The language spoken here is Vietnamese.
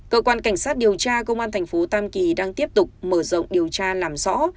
cơ quan cảnh sát điều tra công an thành phố tam kỳ đang tiếp tục mở rộng điều tra làm rõ